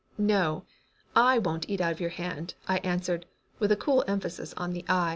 "No, I won't eat out of your hand," I answered, with a cool emphasis on the "I."